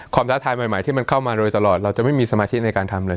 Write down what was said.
ท้าทายใหม่ที่มันเข้ามาโดยตลอดเราจะไม่มีสมาธิในการทำเลย